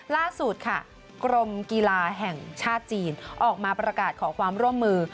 ล่าสุดค่ะกรมกีฬาแห่งชาติจีนออกมาประกาศขอความร่วมมือ